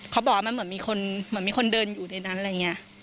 เขาบอกว่ามันเหมือนมีคนเหมือนมีคนเดินอยู่ในนั้นอะไรอย่างนี้